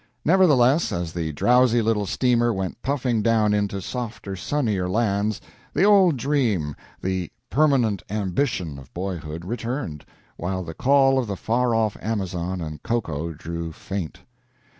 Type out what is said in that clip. Nevertheless, as the drowsy little steamer went puffing down into softer, sunnier lands, the old dream, the "permanent ambition" of boyhood, returned, while the call of the far off Amazon and cocoa drew faint.